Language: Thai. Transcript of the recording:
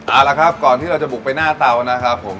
เอาละครับก่อนที่เราจะบุกไปหน้าเตานะครับผม